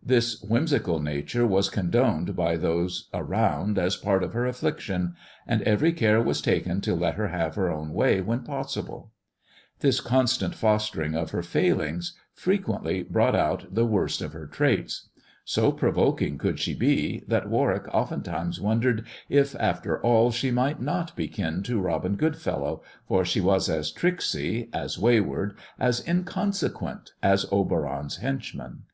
This whimsical nature was condoned by those around as part of her affliction ; and every care was taken to let her have her own way when possible. This constant fostering of her failings frequently 46 THE dwarf's chamber brought out the worst of her traits. So provoking could she be, that Warwick oftentimes wondered if after all she might not be kin to Robin Goodfellow, for she was as tricksy, as wayward, as inconsequent as Oberon's henchman.